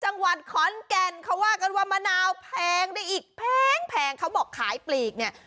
จังหวัดขอนแก่นเขาว่ากันว่ามะนาวแพงได้อีกแพงเขาบอกขายปลีกเนี่ย